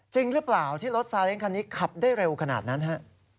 จริงหรือเปล่าที่รถซาเล้งคันนี้ขับได้เร็วขนาดนั้นฮะ